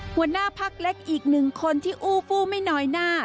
หัวหน้าพักเล็กอีกหนึ่งคนที่อู้ฟู้ไม่น้อยหน้า